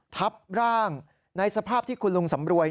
ทับร่างในสภาพที่คุณลุงสำรวย